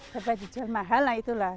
dapat dijual mahal lah itulah